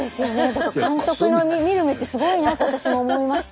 だから監督の見る目ってすごいなって私も思いました。